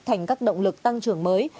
thành các động lực tăng trưởng mới